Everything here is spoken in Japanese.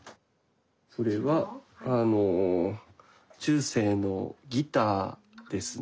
それはあの中世のギターですね。